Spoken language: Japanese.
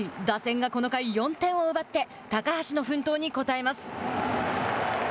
打線がこの回、４点を奪って高橋の奮闘に応えます。